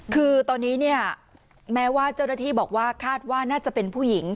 คือตอนนี้เนี่ยแม้ว่าเจ้าหน้าที่บอกว่าคาดว่าน่าจะเป็นผู้หญิง